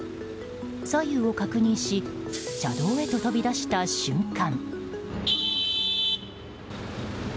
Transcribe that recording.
左右を確認し車道へと飛び出した瞬間。